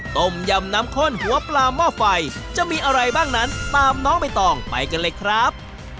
ต้มยำน้ำข้นหัวปลาหม้อไฟจะมีอะไรบ้างนั้นตามน้องใบตองไปกันเลยครับ